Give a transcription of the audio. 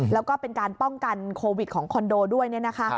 แล้วก็เป็นการป้องกันโควิดของคอนโดด้วยเนี่ยนะคะ